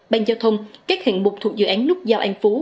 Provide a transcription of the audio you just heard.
ban giao thông các hạng mục thuộc dự án nút giao an phú